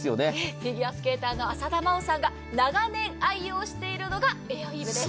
フィギュアスケーターの浅田真央さんが長年愛用しているのがエアウィーヴです。